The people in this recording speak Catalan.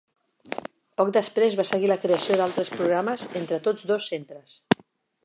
Poc després va seguir la creació d'altres programes entre tots dos centres.